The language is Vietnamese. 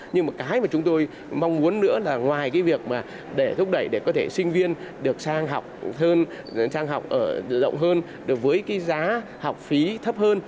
nhưng mà cái mà chúng tôi mong muốn nữa là ngoài cái việc mà để thúc đẩy để có thể sinh viên được sang học hơn sang học ở rộng hơn với cái giá học phí thấp hơn